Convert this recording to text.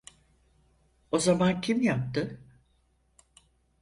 O zaman kim yaptı?